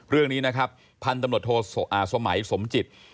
เรื่องนี้นะครับพันธุ์ตำรวจโทสมัยสมจิต